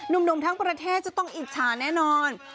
หนุ่มทั้งประเทศจะต้องอิจฉาแน่นอน